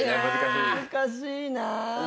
難しいなぁ。